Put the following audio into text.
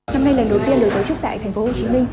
năm nay là lần đầu tiên được tổ chức tại tp hcm